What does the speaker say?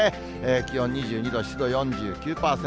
気温２２度、湿度４９％。